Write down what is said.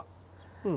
うん。